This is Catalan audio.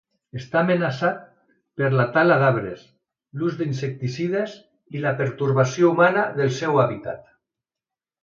Està amenaçat per la tala d'arbres, l'ús d'insecticides i la pertorbació humana del seu hàbitat.